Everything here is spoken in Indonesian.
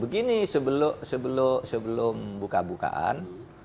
begini sebelum buka bukaan